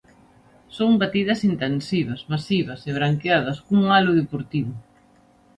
Son batidas intensivas, masivas e branqueadas cun halo deportivo.